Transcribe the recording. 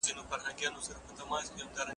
که د ژوند په هنر پوهېږې نو ښه ژوند کوې.